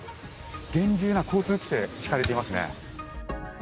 厳重な交通規制が敷かれていますね。